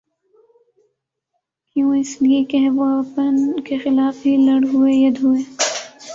کیوں اس لیے کہہ وہ اپن کیخلاف ہی لڑ ہوئے ید ہوئے